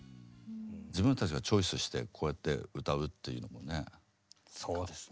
自分たちがチョイスしてこうやって歌うっていうのもね何か。